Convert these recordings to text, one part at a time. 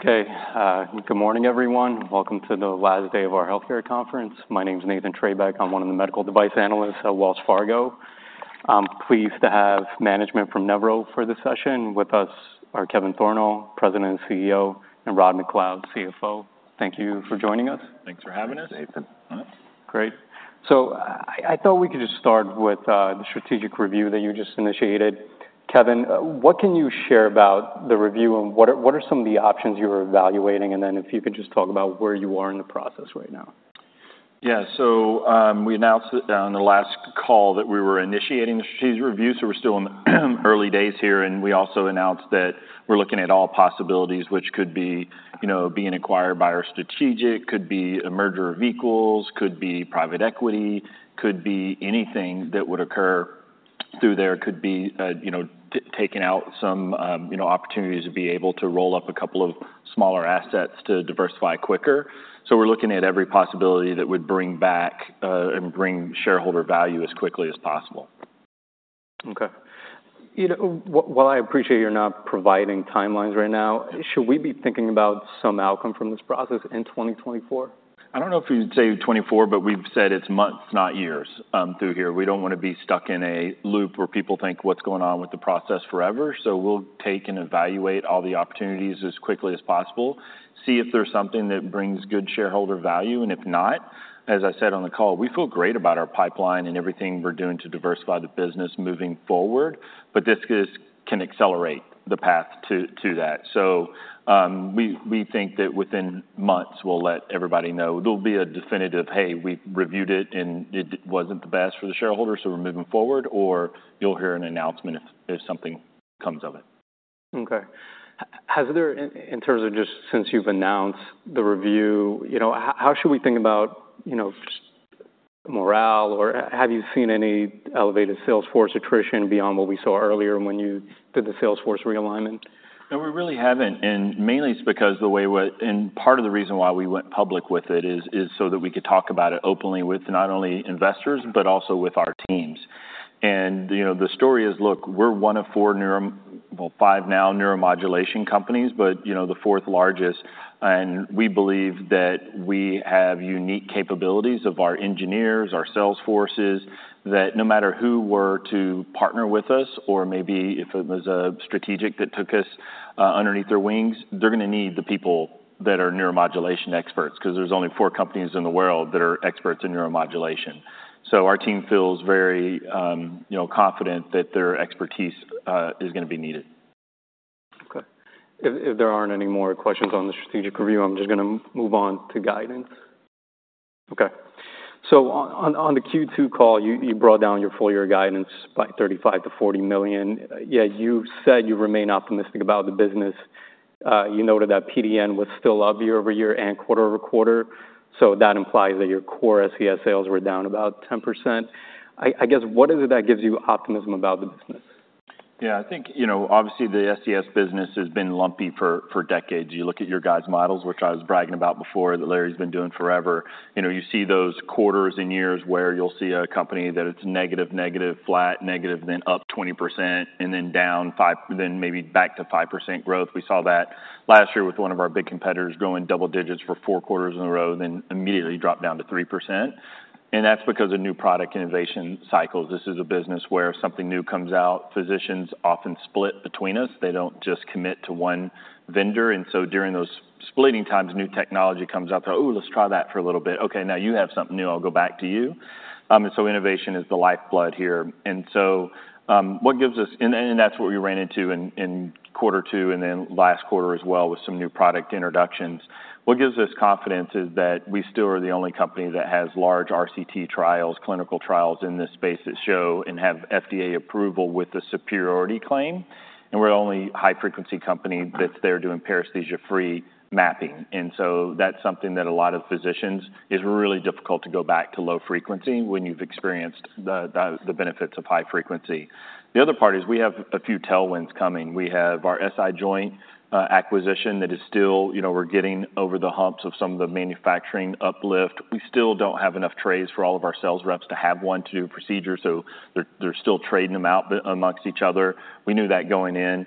Okay, good morning, everyone. Welcome to the last day of our healthcare conference. My name is Nathan Treybeck. I'm one of the medical device analysts at Wells Fargo. I'm pleased to have management from Nevro for this session. With us are Kevin Thornal, President and CEO, and Rod MacLeod, CFO. Thank you for joining us. Thanks for having us, Nathan. Thanks. Great. So I thought we could just start with the strategic review that you just initiated. Kevin, what can you share about the review, and what are some of the options you are evaluating? And then if you could just talk about where you are in the process right now. Yeah. So, we announced it on the last call that we were initiating the strategic review, so we're still in early days here, and we also announced that we're looking at all possibilities, which could be, you know, being acquired by our strategic, could be a merger of equals, could be private equity, could be anything that would occur through there. Could be, you know, opportunities to be able to roll up a couple of smaller assets to diversify quicker. So we're looking at every possibility that would bring back, and bring shareholder value as quickly as possible. Okay. You know, while I appreciate you're not providing timelines right now, should we be thinking about some outcome from this process in twenty twenty-four? I don't know if we'd say twenty-four, but we've said it's months, not years, through here. We don't wanna be stuck in a loop where people think, "What's going on with the process?" forever. So we'll take and evaluate all the opportunities as quickly as possible, see if there's something that brings good shareholder value, and if not, as I said on the call, we feel great about our pipeline and everything we're doing to diversify the business moving forward, but this is, can accelerate the path to that. So we think that within months, we'll let everybody know. It'll be a definitive, "Hey, we've reviewed it, and it didn't wasn't the best for the shareholders, so we're moving forward," or you'll hear an announcement if something comes of it. Okay. In terms of just since you've announced the review, you know, how should we think about, you know, just morale, or have you seen any elevated sales force attrition beyond what we saw earlier when you did the sales force realignment? No, we really haven't, and mainly it's because the way and part of the reason why we went public with it is so that we could talk about it openly with not only investors, but also with our teams, and, you know, the story is, look, we're one of four neuro-- well, five now, neuromodulation companies, but, you know, the fourth largest, and we believe that we have unique capabilities of our engineers, our sales forces, that no matter who were to partner with us, or maybe if it was a strategic that took us underneath their wings, they're gonna need the people that are neuromodulation experts, 'cause there's only four companies in the world that are experts in neuromodulation. So our team feels very, you know, confident that their expertise is gonna be needed. Okay. If there aren't any more questions on the strategic review, I'm just gonna move on to guidance. Okay. So on the Q2 call, you brought down your full year guidance by $35 million-$40 million. Yet, you said you remain optimistic about the business. You noted that PDN was still up year over year and quarter over quarter, so that implies that your core SCS sales were down about 10%. I guess, what is it that gives you optimism about the business? Yeah, I think, you know, obviously, the SCS business has been lumpy for decades. You look at your guys' models, which I was bragging about before, that Larry's been doing forever. You know, you see those quarters and years where you'll see a company that it's negative, negative, flat, negative, then up 20% and then down 5%, then maybe back to 5% growth. We saw that last year with one of our big competitors going double digits for four quarters in a row, then immediately dropped down to 3%, and that's because of new product innovation cycles. This is a business where something new comes out, physicians often split between us. They don't just commit to one vendor, and so during those splitting times, new technology comes out, they're, "Oh, let's try that for a little bit. Okay, now you have something new. I'll go back to you. And so innovation is the lifeblood here. And that's what we ran into in quarter two and then last quarter as well, with some new product introductions. What gives us confidence is that we still are the only company that has large RCT trials, clinical trials in this space that show and have FDA approval with the superiority claim, and we're the only high-frequency company that's there doing paresthesia-free mapping. And so that's something that a lot of physicians. It's really difficult to go back to low frequency when you've experienced the benefits of high frequency. The other part is we have a few tailwinds coming. We have our SI joint acquisition that is still you know, we're getting over the humps of some of the manufacturing uplift. We still don't have enough trays for all of our sales reps to have one to do procedures, so they're still trading them out amongst each other. We knew that going in.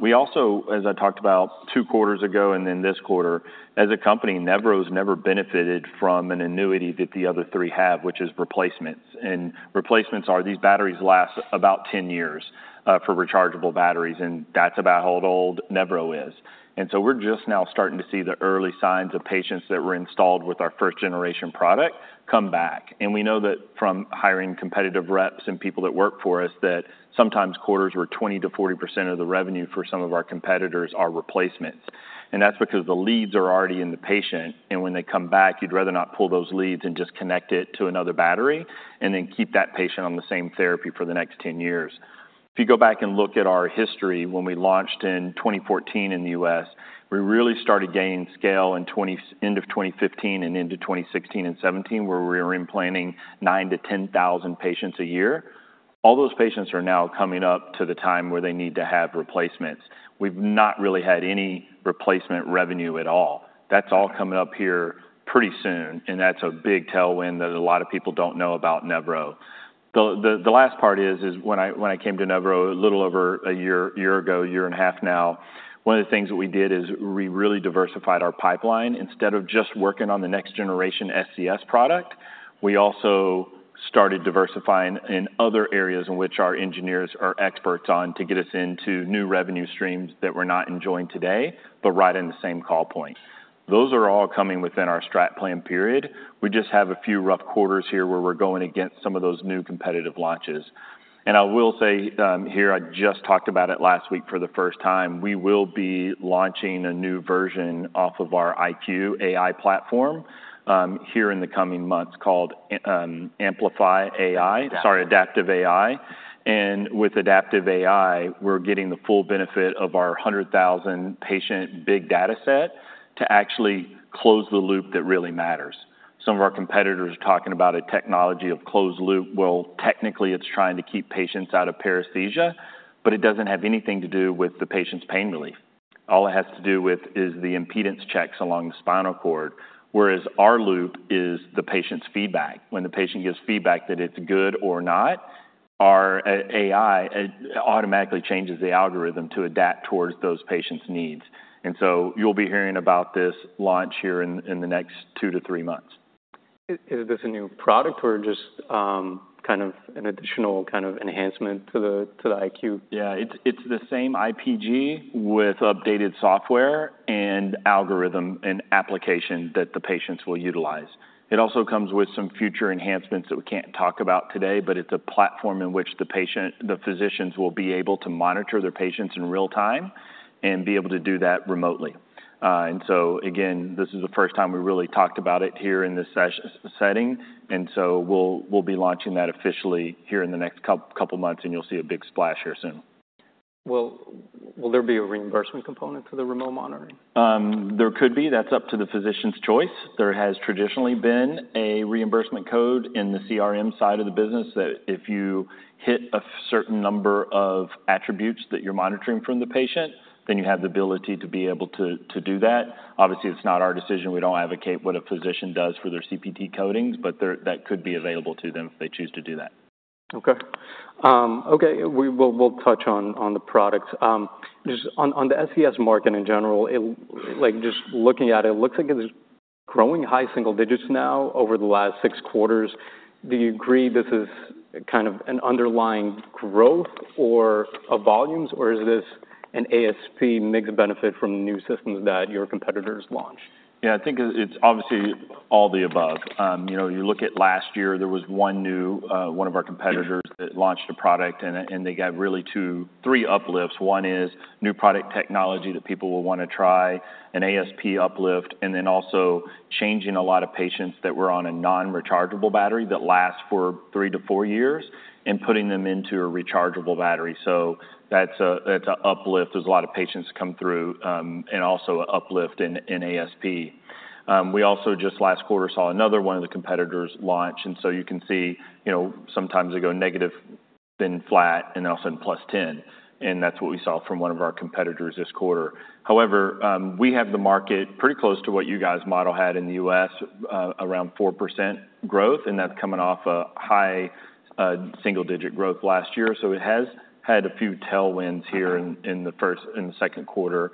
We also, as I talked about two quarters ago and then this quarter, as a company, Nevro's never benefited from an annuity that the other three have, which is replacements. And replacements are, these batteries last about 10 years for rechargeable batteries, and that's about how old Nevro is. And so we're just now starting to see the early signs of patients that were installed with our first-generation product come back. We know that from hiring competitive reps and people that work for us, that sometimes quarters where 20%-40% of the revenue for some of our competitors are replacements, and that's because the leads are already in the patient, and when they come back, you'd rather not pull those leads and just connect it to another battery, and then keep that patient on the same therapy for the next 10 years. If you go back and look at our history, when we launched in 2014 in the U.S., we really started gaining scale at the end of 2015 and into 2016 and 2017, where we were implanting 9-10 thousand patients a year. All those patients are now coming up to the time where they need to have replacements. We've not really had any replacement revenue at all. That's all coming up here pretty soon, and that's a big tailwind that a lot of people don't know about Nevro. The last part is when I came to Nevro a little over a year, a year ago, a year and a half now, one of the things that we did is we really diversified our pipeline. Instead of just working on the next generation SCS product, we also started diversifying in other areas in which our engineers are experts on to get us into new revenue streams that we're not enjoying today, but right in the same call point. Those are all coming within our strategic plan period. We just have a few rough quarters here where we're going against some of those new competitive launches. I will say, here, I just talked about it last week for the first time, we will be launching a new version off of our IQ AI platform, here in the coming months, called Amplify AI- Adaptive. Sorry, AdaptivAI. And with AdaptivAI, we're getting the full benefit of our 100,000-patient big data set to actually close the loop that really matters. Some of our competitors are talking about a technology of closed loop. Well, technically, it's trying to keep patients out of paresthesia, but it doesn't have anything to do with the patient's pain relief. All it has to do with is the impedance checks along the spinal cord, whereas our loop is the patient's feedback. When the patient gives feedback that it's good or not, our AI automatically changes the algorithm to adapt towards those patients' needs. And so you'll be hearing about this launch here in the next two to three months. Is this a new product or just kind of an additional kind of enhancement to the IQ? Yeah, it's the same IPG with updated software and algorithm and application that the patients will utilize. It also comes with some future enhancements that we can't talk about today, but it's a platform in which the patient, the physicians will be able to monitor their patients in real time and be able to do that remotely. And so again, this is the first time we really talked about it here in this setting, and so we'll be launching that officially here in the next couple months, and you'll see a big splash here soon. Will, will there be a reimbursement component to the remote monitoring? There could be. That's up to the physician's choice. There has traditionally been a reimbursement code in the CRM side of the business, that if you hit a certain number of attributes that you're monitoring from the patient, then you have the ability to be able to do that. Obviously, it's not our decision. We don't advocate what a physician does for their CPT codings, but there, that could be available to them if they choose to do that. Okay, we will touch on the product. Just on the SCS market in general, just looking at it, it looks like it is growing high single digits now over the last six quarters. Do you agree this is kind of an underlying growth or volumes, or is this an ASP mix benefit from the new systems that your competitors launched? Yeah, I think it's obviously all the above. You know, you look at last year, there was one new one of our competitors that launched a product, and they got really two, three uplifts. One is new product technology that people will wanna try, an ASP uplift, and then also changing a lot of patients that were on a non-rechargeable battery that lasts for three to four years and putting them into a rechargeable battery. So that's an uplift. There's a lot of patients come through, and also an uplift in ASP. We also just last quarter saw another one of the competitors launch, and so you can see, you know, sometimes they go negative, then flat, and all of a sudden, plus ten, and that's what we saw from one of our competitors this quarter. However, we have the market pretty close to what you guys' model had in the US, around 4% growth, and that's coming off a high single-digit growth last year. So it has had a few tailwinds here in the Q1 and Q2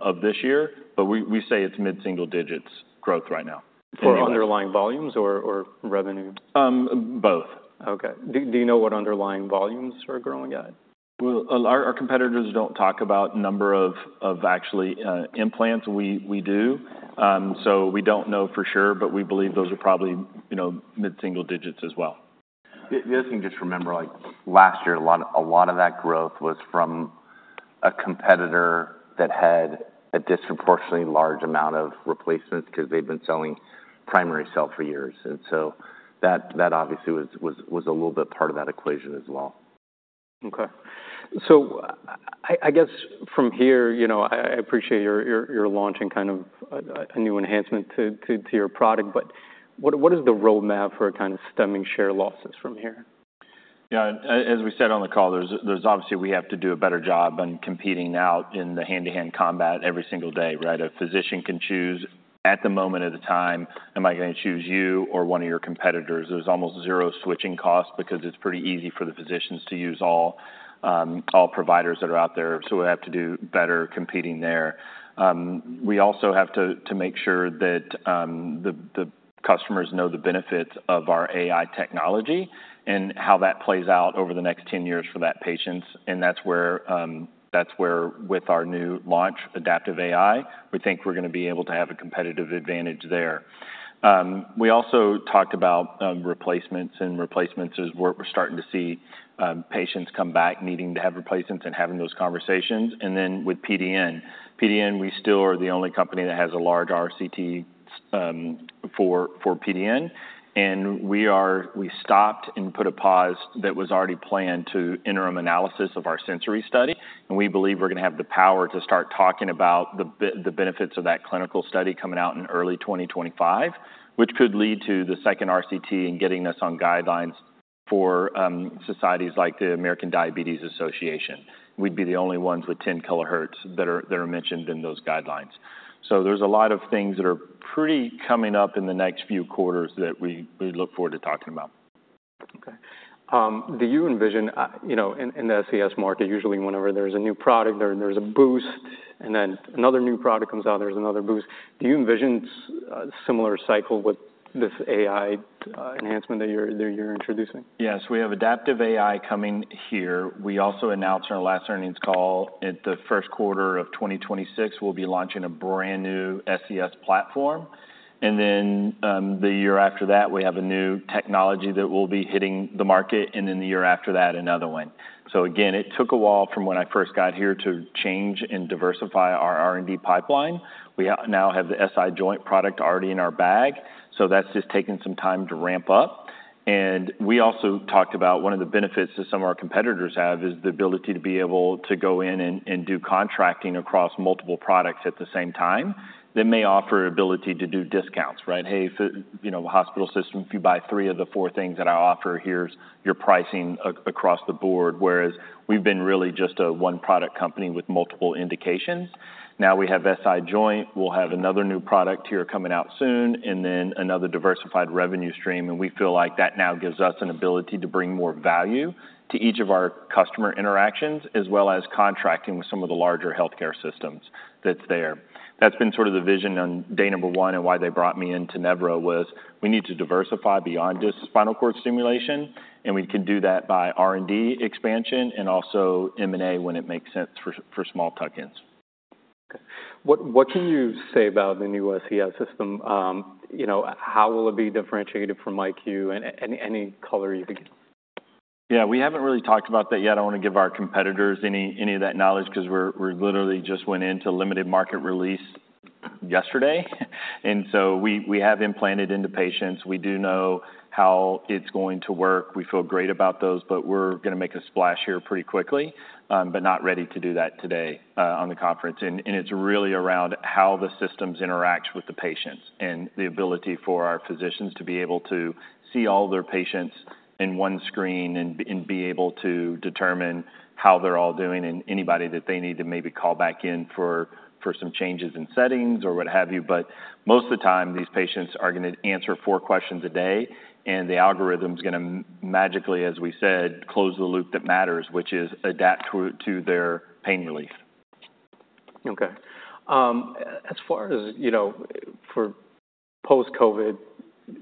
of this year, but we say it's mid-single digits growth right now. For underlying volumes or revenue? Um, both. Okay. Do you know what underlying volumes we're growing at? Our competitors don't talk about number of actually implants. We do. So we don't know for sure, but we believe those are probably, you know, mid-single digits as well. You also can just remember, like, last year, a lot, a lot of that growth was from a competitor that had a disproportionately large amount of replacements because they've been selling primary sales for years, and so that obviously was a little bit part of that equation as well. Okay. So I guess from here, you know, I appreciate you're launching kind of a new enhancement to your product, but what is the roadmap for kind of stemming share losses from here? Yeah. As we said on the call, there's obviously we have to do a better job on competing now in the hand-to-hand combat every single day, right? A physician can choose at the moment at a time, am I gonna choose you or one of your competitors? There's almost zero switching costs because it's pretty easy for the physicians to use all providers that are out there, so we have to do better competing there. We also have to make sure that the customers know the benefits of our AI technology and how that plays out over the next ten years for that patients, and that's where with our new launch, Adaptive AI, we think we're gonna be able to have a competitive advantage there. We also talked about replacements, and replacements is where we're starting to see patients come back, needing to have replacements and having those conversations, and then with PDN. PDN, we still are the only company that has a large RCT for PDN, and we stopped and put a pause that was already planned to interim analysis of our Senza study, and we believe we're gonna have the power to start talking about the benefits of that clinical study coming out in early 2025, which could lead to the second RCT and getting us on guidelines for societies like the American Diabetes Association. We'd be the only ones with ten kilohertz that are mentioned in those guidelines. There's a lot of things that are pretty exciting coming up in the next few quarters that we look forward to talking about.... do you envision, you know, in the SCS market, usually whenever there's a new product, there's a boost, and then another new product comes out, there's another boost. Do you envision a similar cycle with this AI enhancement that you're introducing? Yes, we have adaptive AI coming here. We also announced on our last earnings call, at the first quarter of twenty twenty-six, we'll be launching a brand-new SCS platform. And then, the year after that, we have a new technology that will be hitting the market, and then the year after that, another one. So again, it took a while from when I first got here to change and diversify our R&D pipeline. We now have the SI joint product already in our bag, so that's just taking some time to ramp up. And we also talked about one of the benefits that some of our competitors have, is the ability to be able to go in and do contracting across multiple products at the same time. They may offer ability to do discounts, right? Hey, you know, hospital system, if you buy three of the four things that I offer, here's your pricing across the board." Whereas we've been really just a one-product company with multiple indications. Now, we have SI joint. We'll have another new product here coming out soon, and then another diversified revenue stream, and we feel like that now gives us an ability to bring more value to each of our customer interactions, as well as contracting with some of the larger healthcare systems that's there. That's been sort of the vision on day number one and why they brought me into Nevro was, we need to diversify beyond just spinal cord stimulation, and we can do that by R&D expansion and also M&A when it makes sense for small tuck-ins. Okay. What can you say about the new SCS system? You know, how will it be differentiated from HFX iQ, any color you can give? Yeah, we haven't really talked about that yet. I don't want to give our competitors any of that knowledge 'cause we're literally just went into limited market release yesterday. And so we have implanted into patients. We do know how it's going to work. We feel great about those, but we're gonna make a splash here pretty quickly, but not ready to do that today on the conference. And it's really around how the systems interact with the patients and the ability for our physicians to be able to see all their patients in one screen and be able to determine how they're all doing, and anybody that they need to maybe call back in for some changes in settings or what have you. But most of the time, these patients are gonna answer four questions a day, and the algorithm's gonna magically, as we said, close the loop that matters, which is adapt to their pain relief. Okay. As far as, you know, for post-COVID,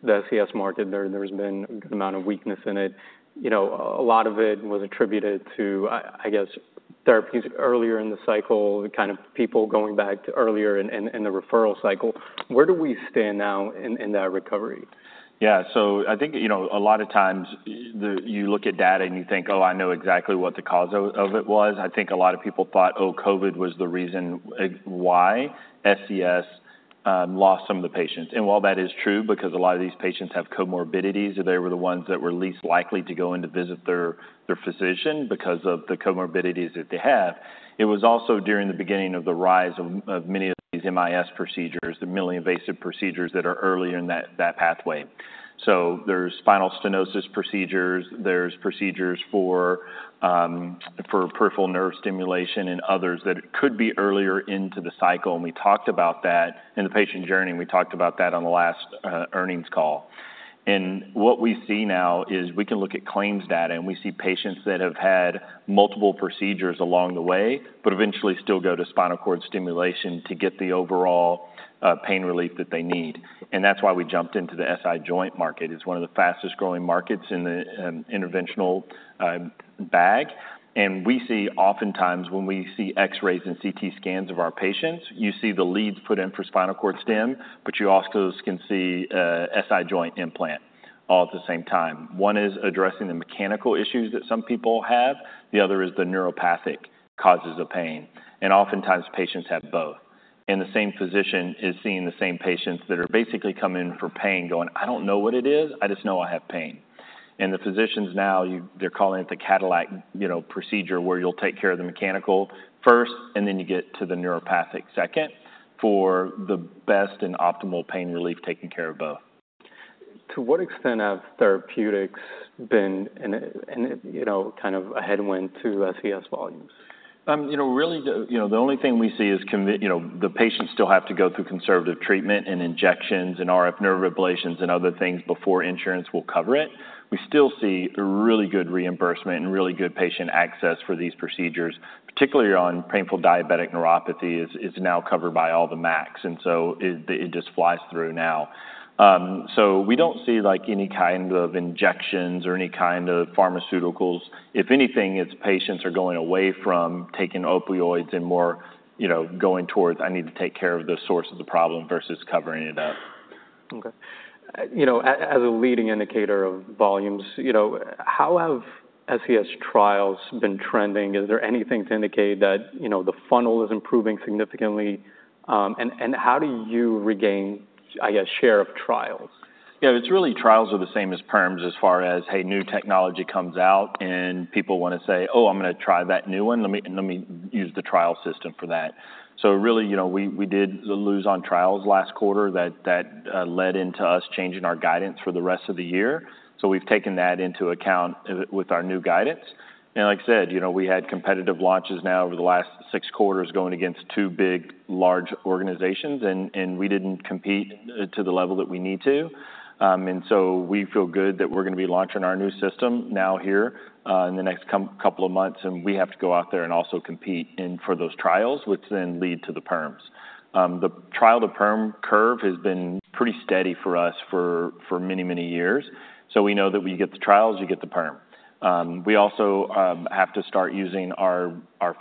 the SCS market, there's been an amount of weakness in it. You know, a lot of it was attributed to, I guess, therapeutics earlier in the cycle, the kind of people going back to earlier in the referral cycle. Where do we stand now in that recovery? Yeah. So I think, you know, a lot of times, you look at data and you think, "Oh, I know exactly what the cause of it was." I think a lot of people thought, "Oh, COVID was the reason why SCS lost some of the patients." And while that is true, because a lot of these patients have comorbidities, they were the ones that were least likely to go in to visit their physician because of the comorbidities that they have. It was also during the beginning of the rise of many of these MIS procedures, the minimally invasive procedures that are earlier in that pathway. So there's spinal stenosis procedures, there's procedures for peripheral nerve stimulation and others that it could be earlier into the cycle, and we talked about that in the patient journey, and we talked about that on the last earnings call. And what we see now is we can look at claims data, and we see patients that have had multiple procedures along the way, but eventually still go to spinal cord stimulation to get the overall pain relief that they need. And that's why we jumped into the SI joint market. It's one of the fastest-growing markets in the interventional bag. And we see oftentimes, when we see X-rays and CT scans of our patients, you see the leads put in for spinal cord stim, but you also can see SI joint implant all at the same time. One is addressing the mechanical issues that some people have, the other is the neuropathic causes of pain. And oftentimes patients have both, and the same physician is seeing the same patients that are basically coming in for pain, going, "I don't know what it is. I just know I have pain." And the physicians now, they're calling it the Cadillac, you know, procedure, where you'll take care of the mechanical first, and then you get to the neuropathic second for the best and optimal pain relief, taking care of both. To what extent have therapeutics been an, you know, kind of a headwind to SCS volumes? You know, really, the only thing we see is the patients still have to go through conservative treatment and injections and RF nerve ablations and other things before insurance will cover it. We still see a really good reimbursement and really good patient access for these procedures, particularly on painful diabetic neuropathy, is now covered by all the MACs, and so it just flies through now, so we don't see, like, any kind of injections or any kind of pharmaceuticals. If anything, it's patients are going away from taking opioids and more, you know, going towards, "I need to take care of the source of the problem," versus covering it up. Okay. You know, as a leading indicator of volumes, you know, how have SCS trials been trending? Is there anything to indicate that, you know, the funnel is improving significantly? And how do you regain, I guess, share of trials? Yeah, it's really trials are the same as perms as far as, hey, new technology comes out, and people wanna say, "Oh, I'm gonna try that new one. Let me, let me use the trial system for that." So really, you know, we did lose on trials last quarter. That led into us changing our guidance for the rest of the year, so we've taken that into account with our new guidance. And like I said, you know, we had competitive launches now over the last six quarters, going against two big, large organizations, and we didn't compete to the level that we need to. And so we feel good that we're gonna be launching our new system now here in the next couple of months, and we have to go out there and also compete in for those trials, which then lead to the perms. The trial-to-perm curve has been pretty steady for us for many, many years. So we know that when you get the trials, you get the perm. We also have to start using our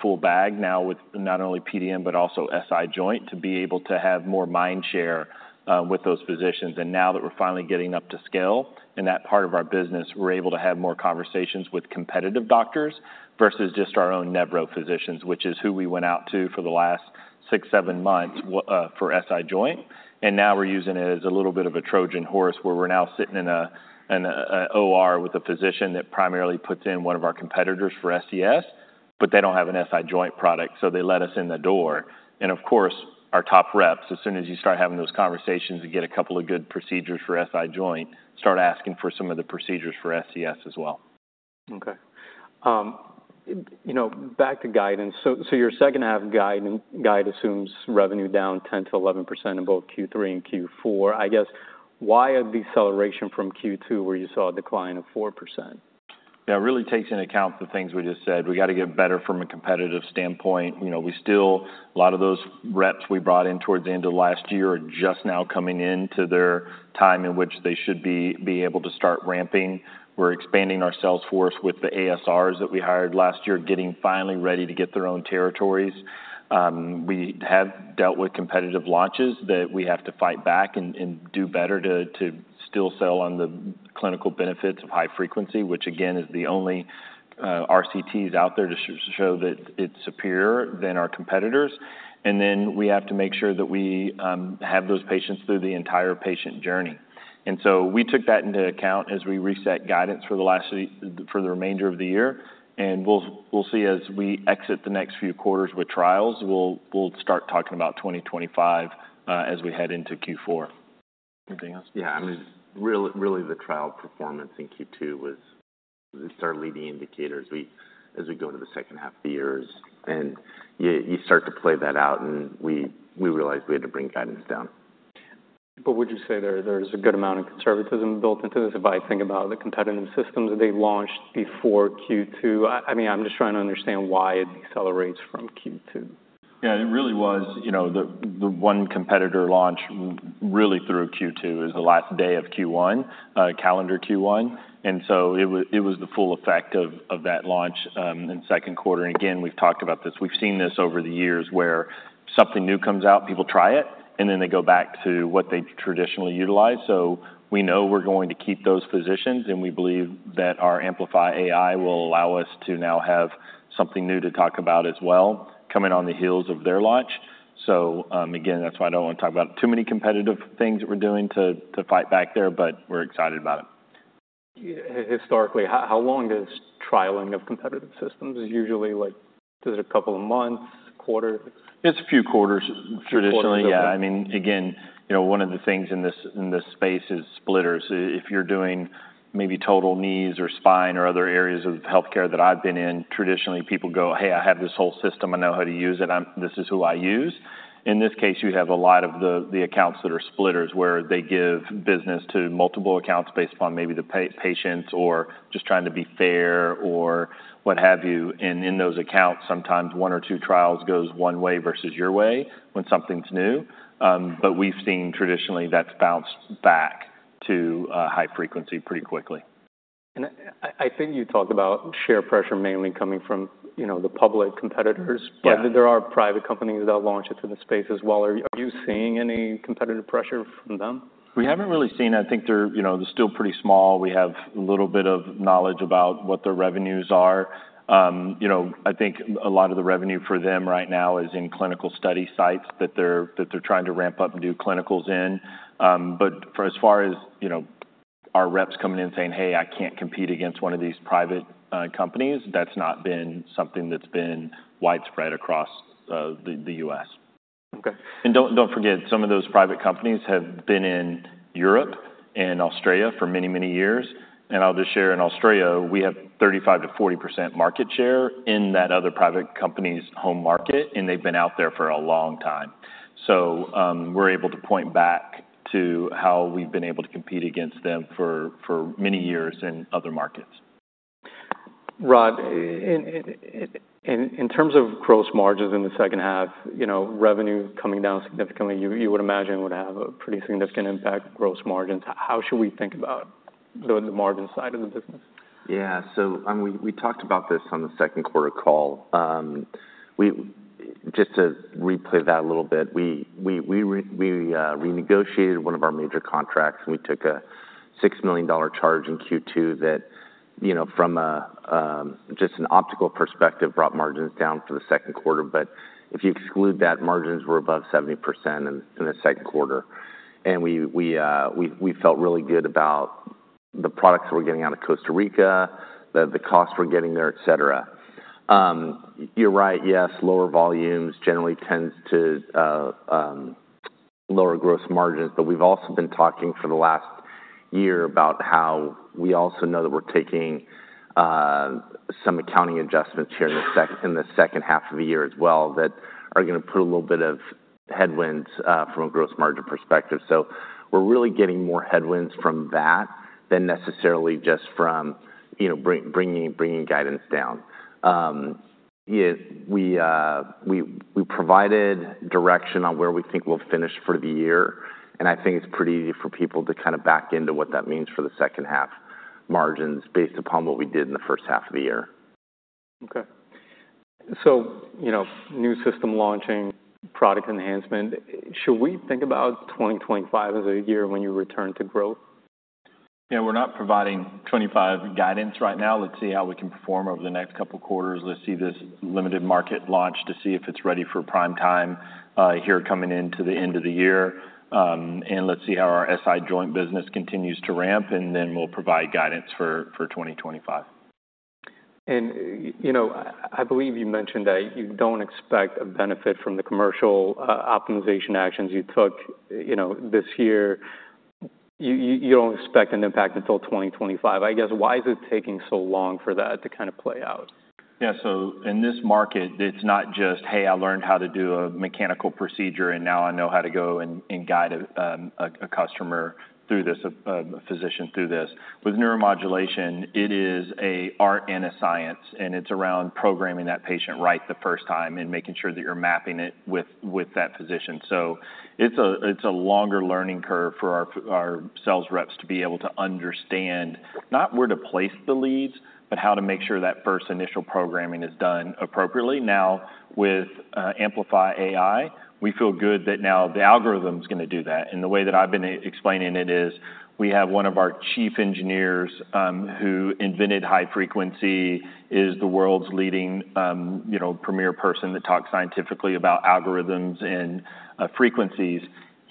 full bag now with not only PDN, but also SI joint, to be able to have more mind share with those physicians. And now that we're finally getting up to scale in that part of our business, we're able to have more conversations with competitive doctors versus just our own Nevro physicians, which is who we went out to for the last six, seven months for SI joint. And now we're using it as a little bit of a Trojan horse, where we're now sitting in an OR with a physician that primarily puts in one of our competitors for SCS, but they don't have an SI joint product, so they let us in the door. And of course, our top reps, as soon as you start having those conversations and get a couple of good procedures for SI joint, start asking for some of the procedures for SCS as well. Okay. You know, back to guidance. So, your second half guide assumes revenue down 10-11% in both Q3 and Q4. I guess, why a deceleration from Q2, where you saw a decline of 4%? Yeah, it really takes into account the things we just said. We got to get better from a competitive standpoint. You know, we still, a lot of those reps we brought in towards the end of last year are just now coming in to their time in which they should be able to start ramping. We're expanding our sales force with the ASRs that we hired last year, getting finally ready to get their own territories. We have dealt with competitive launches that we have to fight back and do better to still sell on the clinical benefits of high frequency, which again, is the only RCTs out there to show that it's superior than our competitors. And then we have to make sure that we have those patients through the entire patient journey. We took that into account as we reset guidance for the remainder of the year. We'll see as we exit the next few quarters with trials. We'll start talking about 2025 as we head into Q4. Anything else? Yeah, I mean, really, really, the trial performance in Q2 was our leading indicators. As we go into the second half of the years, and you start to play that out, and we realized we had to bring guidance down. But would you say there's a good amount of conservatism built into this? If I think about the competitive systems that they launched before Q2, I mean, I'm just trying to understand why it decelerates from Q2. Yeah, it really was, you know, the one competitor launch really through Q2, is the last day of Q1, calendar Q1. And so it was the full effect of that launch in the second quarter. And again, we've talked about this. We've seen this over the years, where something new comes out, people try it, and then they go back to what they traditionally utilize. So we know we're going to keep those physicians, and we believe that our Amplify AI will allow us to now have something new to talk about as well, coming on the heels of their launch. So, again, that's why I don't want to talk about too many competitive things that we're doing to fight back there, but we're excited about it. Yeah. Historically, how long does trialing of competitive systems? Is it usually like a couple of months, quarter? It's a few quarters, traditionally. Few quarters. Yeah, I mean, again, you know, one of the things in this space is splitters. If you're doing maybe total knees or spine or other areas of healthcare that I've been in, traditionally, people go, "Hey, I have this whole system. I know how to use it. This is who I use." In this case, you have a lot of the accounts that are splitters, where they give business to multiple accounts based upon maybe the patients or just trying to be fair or what have you, and in those accounts, sometimes one or two trials goes one way versus your way when something's new. But we've seen traditionally, that's bounced back to high frequency pretty quickly. And I think you talked about share pressure mainly coming from, you know, the public competitors. Yeah. But there are private companies that launch into the space as well. Are you seeing any competitive pressure from them? We haven't really seen... I think they're, you know, they're still pretty small. We have a little bit of knowledge about what their revenues are. You know, I think a lot of the revenue for them right now is in clinical study sites that they're trying to ramp up and do clinicals in. But for as far as, you know, our reps coming in saying, "Hey, I can't compete against one of these private companies," that's not been something that's been widespread across the U.S. Okay. Don't forget, some of those private companies have been in Europe and Australia for many years. I'll just share, in Australia, we have 35-40% market share in that other private company's home market, and they've been out there for a long time. We're able to point back to how we've been able to compete against them for many years in other markets. Rod, in terms of gross margins in the second half, you know, revenue coming down significantly, you would imagine would have a pretty significant impact on gross margins. How should we think about the margin side of the business? Yeah. So I mean, we talked about this on the second quarter call. Just to replay that a little bit, we renegotiated one of our major contracts, and we took a $6 million charge in Q2 that, you know, from a just an overall perspective, brought margins down for the second quarter. But if you exclude that, margins were above 70% in the second quarter. And we felt really good about the products we're getting out of Costa Rica, the costs we're getting there, et cetera. You're right, yes, lower volumes generally tends to... lower gross margins, but we've also been talking for the last year about how we also know that we're taking some accounting adjustments here in the second half of the year as well, that are gonna put a little bit of headwinds from a gross margin perspective. So we're really getting more headwinds from that than necessarily just from, you know, bringing guidance down. Yeah, we provided direction on where we think we'll finish for the year, and I think it's pretty easy for people to kind of back into what that means for the second half margins, based upon what we did in the first half of the year. Okay. So, you know, new system launching, product enhancement, should we think about 2025 as a year when you return to growth? Yeah, we're not providing 2025 guidance right now. Let's see how we can perform over the next couple quarters. Let's see this limited market launch to see if it's ready for prime time, here, coming into the end of the year, and let's see how our SI joint business continues to ramp, and then we'll provide guidance for 2025. You know, I believe you mentioned that you don't expect a benefit from the commercial optimization actions you took this year. You don't expect an impact until 2025. I guess, why is it taking so long for that to kind of play out? Yeah, so in this market, it's not just, "Hey, I learned how to do a mechanical procedure, and now I know how to go and guide a customer through this, a physician through this." With neuromodulation, it is an art and a science, and it's around programming the patient right the first time and making sure that you're mapping it with that physician. So it's a longer learning curve for our sales reps to be able to understand, not where to place the leads, but how to make sure that first initial programming is done appropriately. Now, with Amplify AI, we feel good that now the algorithm's gonna do that. And the way that I've been explaining it is, we have one of our chief engineers, who invented high frequency, is the world's leading, you know, premier person to talk scientifically about algorithms and, frequencies.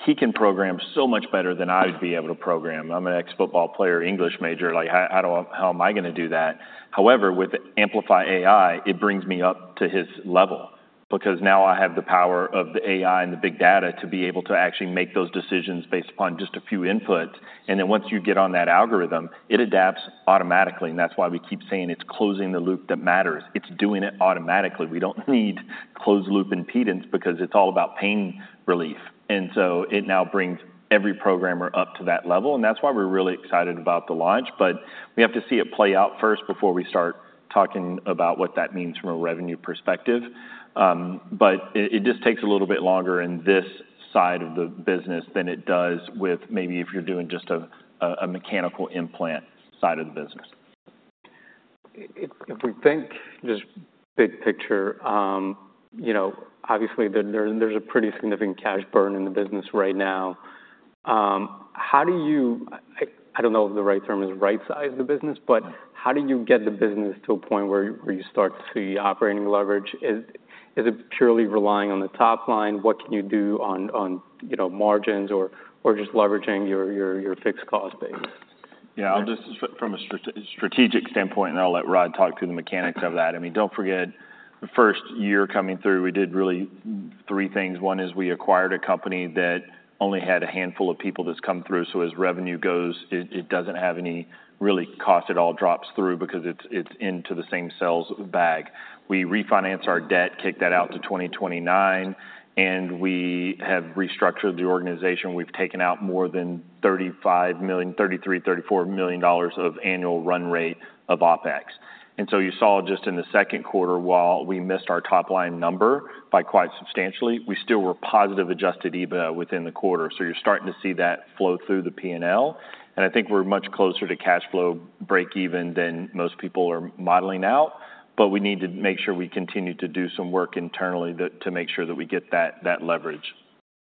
He can program so much better than I'd be able to program. I'm an ex-football player, English major, like, how am I gonna do that? However, with Amplify AI, it brings me up to his level, because now I have the power of the AI and the big data to be able to actually make those decisions based upon just a few inputs. And then once you get on that algorithm, it adapts automatically, and that's why we keep saying it's closing the loop that matters. It's doing it automatically. We don't need closed loop impedance because it's all about pain relief. It now brings every programmer up to that level, and that's why we're really excited about the launch. We have to see it play out first before we start talking about what that means from a revenue perspective. It just takes a little bit longer in this side of the business than it does with maybe if you're doing just a mechanical implant side of the business. If we think just big picture, you know, obviously, there's a pretty significant cash burn in the business right now. How do you... I don't know if the right term is rightsize the business, but how do you get the business to a point where you start to see operating leverage? Is it purely relying on the top line? What can you do on, you know, margins or just leveraging your fixed cost base? Yeah, I'll just from a strategic standpoint, and I'll let Rod talk through the mechanics of that. I mean, don't forget, the first year coming through, we did really three things. One is we acquired a company that only had a handful of people that's come through, so as revenue goes, it doesn't have any real cost. It all drops through because it's into the same sales bag. We refinanced our debt, kicked that out to 2029, and we have restructured the organization. We've taken out more than $35 million, $33-34 million of annual run rate of OpEx. And so you saw just in the second quarter, while we missed our top line number by quite substantially, we still were positive Adjusted EBITDA within the quarter. So you're starting to see that flow through the P&L. I think we're much closer to cash flow break even than most people are modeling out, but we need to make sure we continue to do some work internally to make sure that we get that leverage.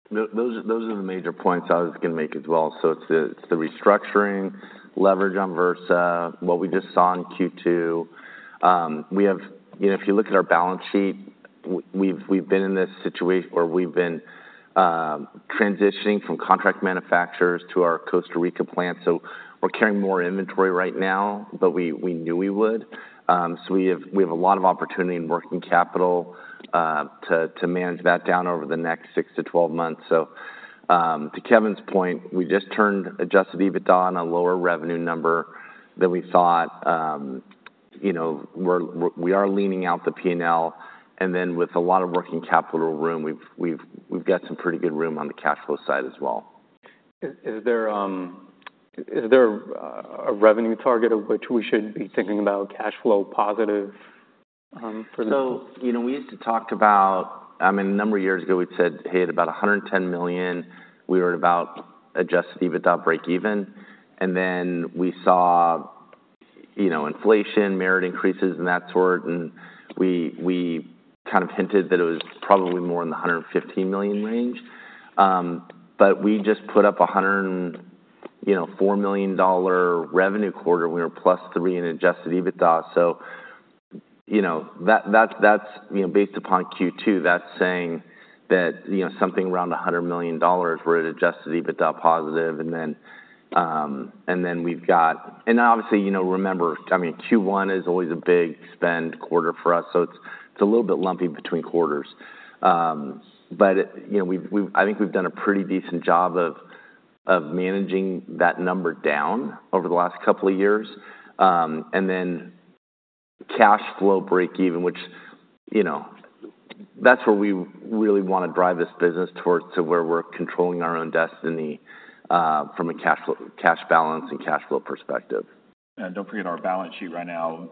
Those are the major points I was gonna make as well. So it's the restructuring, leverage on Vyrsa, what we just saw in Q2. You know, if you look at our balance sheet, we've been transitioning from contract manufacturers to our Costa Rica plant, so we're carrying more inventory right now, but we knew we would. So we have a lot of opportunity in working capital to manage that down over the next six to twelve months. So, to Kevin's point, we just turned adjusted EBITDA on a lower revenue number than we thought. You know, we are leaning out the P&L, and then with a lot of working capital room, we've got some pretty good room on the cash flow side as well. Is there a revenue target of which we should be thinking about cash flow positive, for the- You know, we used to talk about... I mean, a number of years ago, we'd said, "Hey, at about $110 million, we were about adjusted EBITDA break even." And then we saw, you know, inflation, merit increases, and that sort, and we kind of hinted that it was probably more in the $115 million range. But we just put up $104 million revenue quarter. We were plus $3 million in adjusted EBITDA. You know, that's based upon Q2. That's saying that, you know, something around $100 million, we're at adjusted EBITDA positive. And then we've got. And obviously, you know, remember, I mean, Q1 is always a big spend quarter for us, so it's a little bit lumpy between quarters. But, you know, I think we've done a pretty decent job of... of managing that number down over the last couple of years, and then cash flow breakeven, which, you know, that's where we really want to drive this business towards, to where we're controlling our own destiny, from a cash flow-- cash balance and cash flow perspective. Don't forget, our balance sheet right now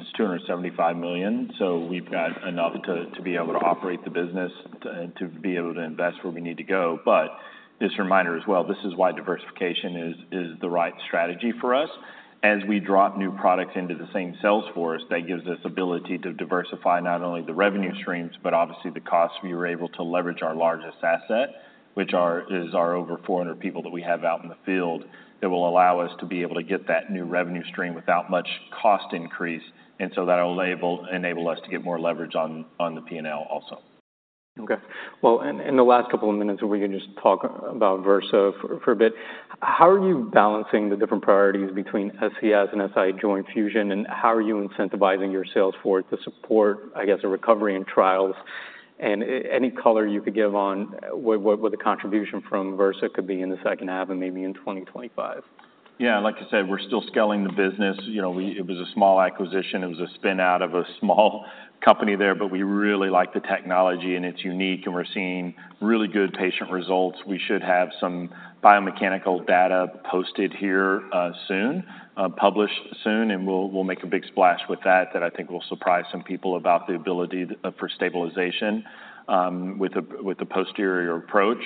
is $275 million. So we've got enough to be able to operate the business, to be able to invest where we need to go. But this reminder as well, this is why diversification is the right strategy for us. As we drop new products into the same sales force, that gives us ability to diversify not only the revenue streams, but obviously the costs. We were able to leverage our largest asset, which is our over 400 people that we have out in the field, that will allow us to be able to get that new revenue stream without much cost increase. And so that will enable us to get more leverage on the P&L also. Okay. Well, in the last couple of minutes, we can just talk about Vyrsa for a bit. How are you balancing the different priorities between SCS and SI Joint Fusion, and how are you incentivizing your sales force to support, I guess, a recovery in trials? And any color you could give on what the contribution from Vyrsa could be in the second half and maybe in twenty twenty-five? Yeah, like I said, we're still scaling the business. You know, it was a small acquisition. It was a spin-out of a small company there, but we really like the technology, and it's unique, and we're seeing really good patient results. We should have some biomechanical data posted here soon, published soon, and we'll make a big splash with that I think will surprise some people about the ability for stabilization with a posterior approach.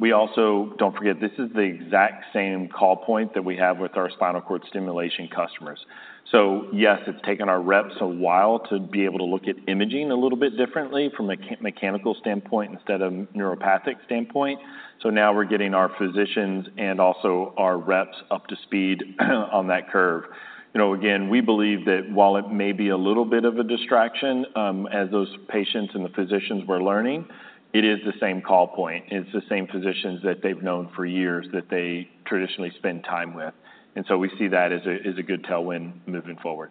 We also. Don't forget, this is the exact same call point that we have with our spinal cord stimulation customers. So yes, it's taken our reps a while to be able to look at imaging a little bit differently from a mechanical standpoint instead of neuropathic standpoint. So now we're getting our physicians and also our reps up to speed on that curve. You know, again, we believe that while it may be a little bit of a distraction, as those patients and the physicians we're learning, it is the same call point. It's the same physicians that they've known for years, that they traditionally spend time with. And so we see that as a good tailwind moving forward.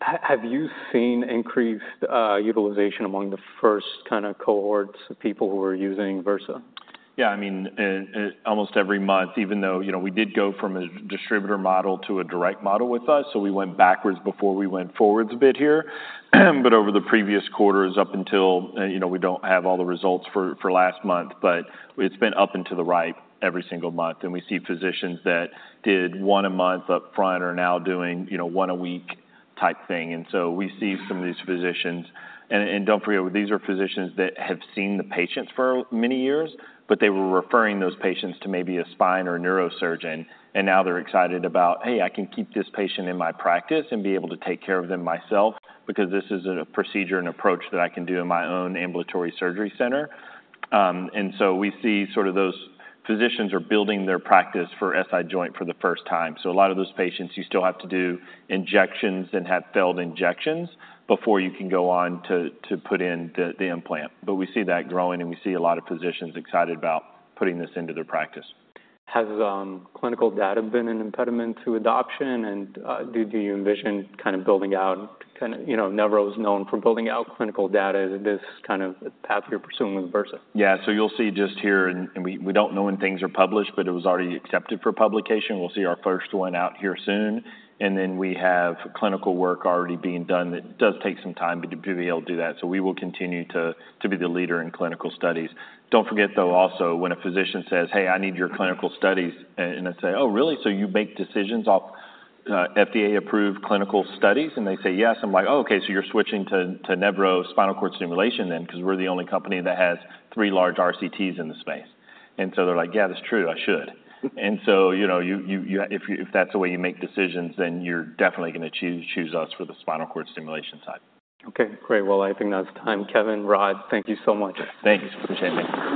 Have you seen increased utilization among the first kind of cohorts of people who are using Vyrsa? Yeah, I mean, almost every month, even though, you know, we did go from a distributor model to a direct model with us, so we went backwards before we went forwards a bit here, but over the previous quarters, up until, you know, we don't have all the results for last month, but it's been up and to the right every single month, and we see physicians that did one a month up front, are now doing, you know, one a week type thing, and so we see some of these physicians. Don't forget, these are physicians that have seen the patients for many years, but they were referring those patients to maybe a spine or a neurosurgeon, and now they're excited about, "Hey, I can keep this patient in my practice and be able to take care of them myself, because this is a procedure and approach that I can do in my own ambulatory surgery center." We see sort of those physicians are building their practice for SI joint for the first time. A lot of those patients, you still have to do injections and have failed injections before you can go on to put in the implant. But we see that growing, and we see a lot of physicians excited about putting this into their practice. Has clinical data been an impediment to adoption? And do you envision kind of building out you know, Nevro is known for building out clinical data. Is this kind of path you're pursuing with Vyrsa? Yeah. So you'll see just here, and we don't know when things are published, but it was already accepted for publication. We'll see our first one out here soon, and then we have clinical work already being done. That does take some time to be able to do that, so we will continue to be the leader in clinical studies. Don't forget, though, also, when a physician says, "Hey, I need your clinical studies," and I say: "Oh, really? So you make decisions off FDA-approved clinical studies?" And they say, "Yes." I'm like: "Oh, okay, so you're switching to Nevro spinal cord stimulation then, because we're the only company that has three large RCTs in the space." And so they're like, "Yeah, that's true, I should." And so, you know, if that's the way you make decisions, then you're definitely going to choose us for the spinal cord stimulation side. Okay, great. Well, I think that's time. Kevin, Rod, thank you so much. Thank you. Appreciate it.